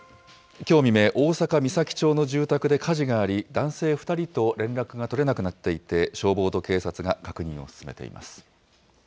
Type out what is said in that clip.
きょう未明、大阪・岬町の住宅で火事があり、男性２人と連絡が取れなくなっていて、消防と警察が確認を進めています。